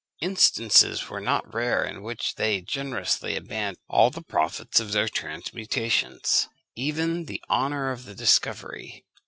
Instances were not rare in which they generously abandoned all the profits of their transmutations even the honour of the discovery.